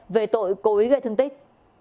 về tội cố ý gây thương tích